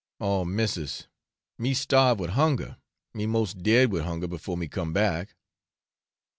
'Oh, missis, me starve with hunger, me most dead with hunger before me come back.'